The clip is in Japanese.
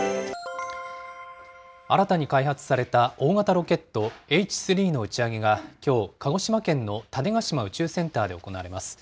新たに開発された大型ロケットＨ３の打ち上げがきょう、鹿児島県の種子島宇宙センターで行われます。